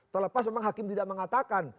kalau pas memang hakim tidak mengatakan